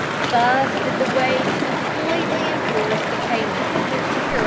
Thus did the waves completely enforce the payment of their terrible toll.